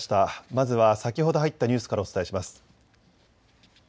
まずは先ほど入ったニュースからお伝えします。